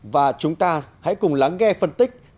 và chúng ta hãy cùng lắng nghe phân tích